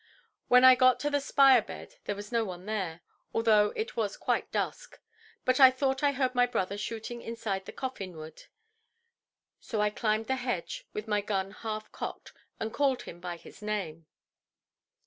When I got to the spire–bed, there was no one there, although it was quite dusk; but I thought I heard my brother shooting inside the Coffin Wood. So I climbed the hedge, with my gun half–cocked, and called him by his name".